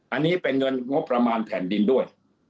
อันนี้เป็นเงินงบประมาณแผ่นดินด้วย